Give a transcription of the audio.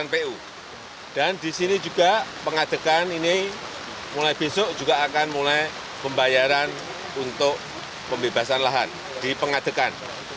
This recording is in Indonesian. pengadekan ini mulai besok juga akan mulai pembayaran untuk pembebasan lahan di pengadekan